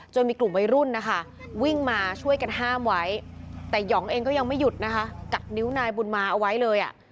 มีกลุ่มวัยรุ่นนะคะวิ่งมาช่วยกันห้ามไว้แต่หยองเองก็ยังไม่หยุดนะคะกัดนิ้วนายบุญมาเอาไว้เลยอ่ะ